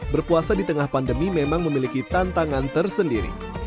berpuasa di tengah pandemi memang memiliki tantangan tersendiri